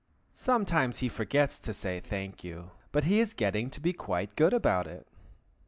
(Sometimes he forgets to say "thank you," but he is getting to be quite good about it.)